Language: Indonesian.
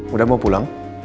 udah mau pulang